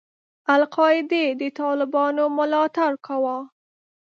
القاعدې د طالبانو ملاتړ کاوه.